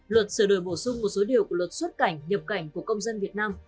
luật sửa đổi bổ sung một số điều của luật xuất cảnh nhập cảnh của công dân việt nam